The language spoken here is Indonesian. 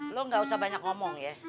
lo gak usah banyak ngomong ya